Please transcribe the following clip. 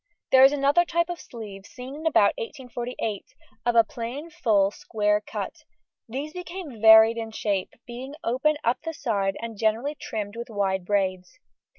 There is another type of sleeve seen about 1848, of a plain, full, square cut; these became varied in shape, being opened up the side and generally trimmed with wide braids.